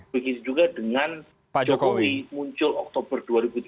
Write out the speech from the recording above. begitu juga dengan jokowi muncul oktober dua ribu tujuh belas